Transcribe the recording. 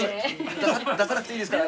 出さなくていいですからね